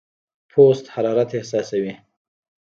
پوست حرارت احساسوي.